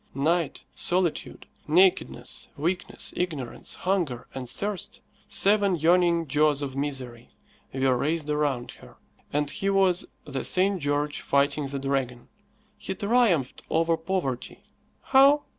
Night, solitude, nakedness, weakness, ignorance, hunger, and thirst seven yawning jaws of misery were raised around her, and he was the St. George fighting the dragon. He triumphed over poverty. How?